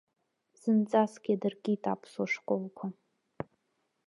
Зынӡаск иадыркит аԥсуа школқәа.